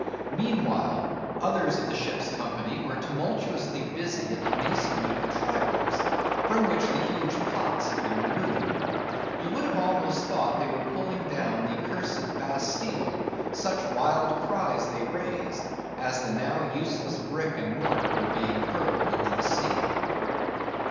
Meanwhile, others of the ship's company were tumultuously busy at the masonry of the try works, from which the huge pots had been removed. You would have almost thought they were pulling down the cursed Bastille, such wild cries they raised, as the now useless brick and mortar were being hurled into the sea.